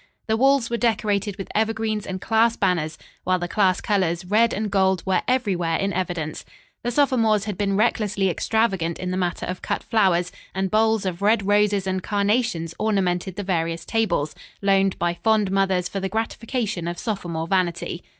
The walls were decorated with evergreens and class banners, while the class colors, red and gold, were everywhere in evidence. The sophomores had been recklessly extravagant in the matter of cut flowers, and bowls of red roses and carnations ornamented the various tables, loaned by fond mothers for the gratification of sophomore vanity.